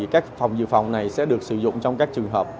các phòng dự phòng này sẽ được sử dụng trong các trường hợp